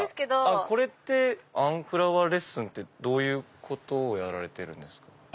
あんフラワーレッスンってどういうことをやられてるんですか？